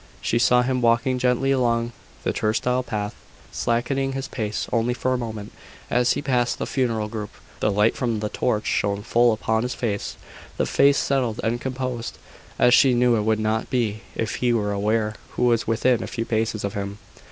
She saw him walking quickly along the turnstile path, slackening his pace only for a moment, as he passed the funeral group. The light from the torch shone full upon his face the face settled and composed, as she knew it would not be if he were aware who was within a few paces of him.